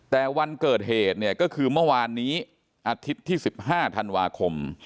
แต่วันเกิดเหตุก็คือเมื่อวานนี้อาทิตย์ที่สิบห้าธันวาคม